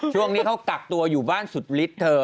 ช่วงนี้เขากักตัวอยู่บ้านสุดฤทธิเธอ